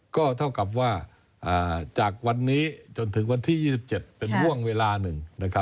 ก็เท่ากับว่าจากวันนี้จนถึงวันที่๒๗เป็นห่วงเวลาหนึ่ง